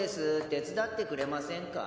手伝ってくれませんか？